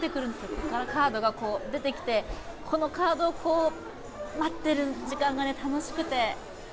ここからカードが出てきて、このカードを待ってる時間がね楽しくて。